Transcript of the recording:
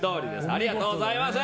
ありがとうございます。